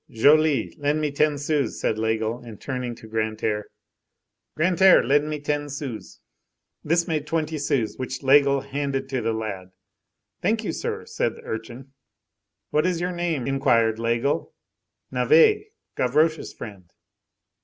"Joly, lend me ten sous," said Laigle; and, turning to Grantaire: "Grantaire, lend me ten sous." This made twenty sous, which Laigle handed to the lad. "Thank you, sir," said the urchin. "What is your name?" inquired Laigle. "Navet, Gavroche's friend."